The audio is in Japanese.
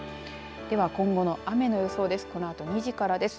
では、今後の雨の予想です。